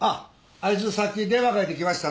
あいつさっき電話かけてきましてな。